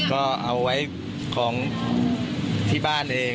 ก็เอาไว้ของที่บ้านเอง